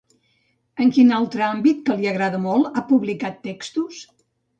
En quin altre àmbit que li agrada molt ha publicat textos?